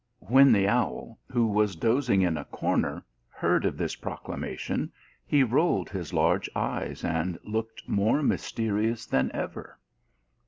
When the owl, who was dozing in a comer, heard of this proclamation, he rolled his large eyes and looked more mysterious than ever.